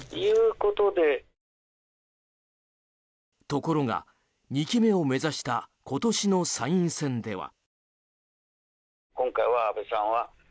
ところが、２期目を目指した今年の参院選では。